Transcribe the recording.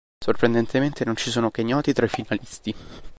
Sorprendentemente non ci sono kenioti tra i finalisti.